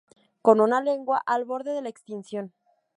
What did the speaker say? Con una lengua al borde de la extinción.